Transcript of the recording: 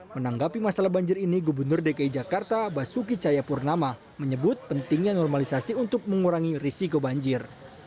menanggapi masalah banjir ini gubernur dki jakarta basuki cayapurnama menyebut pentingnya normalisasi untuk mengurangi risiko banjir